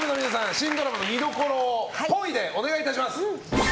新ドラマの見どころをっぽいでお願いいたします。